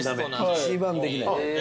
一番できない。